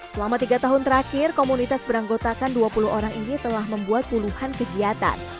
selama tiga tahun terakhir komunitas beranggotakan dua puluh orang ini telah membuat puluhan kegiatan